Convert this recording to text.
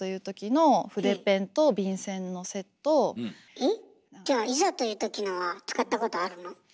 えっじゃあいざというときのは使ったことあるの？